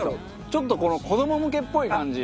ちょっとこの子ども向けっぽい感じ。